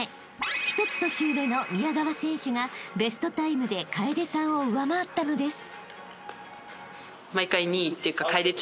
［１つ年上の宮川選手がベストタイムで楓さんを上回ったのです］